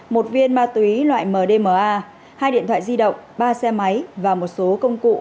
một viên ma túy loại mdma hai điện thoại di động ba xe máy và một số công cụ